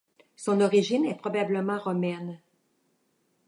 Son origine est probablement romaine.